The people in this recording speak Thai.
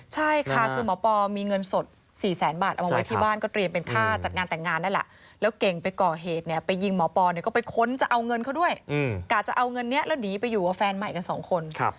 ใช่ค่ะคือหมอปอมีเงินสด๔แสนบาทเอามาไว้ที่บ้านก็เตรียมเป็นค่าจัดงานแต่งงานนั่นแหละแล้วเก่งไปก่อเหตุเนี่ยไปยิงหมอปอเนี่ยก็ไปค้นจะเอาเงินเขาด้วยกะจะเอาเงินนี้แล้วหนีไปอยู่กับแฟนใหม่กันสองคน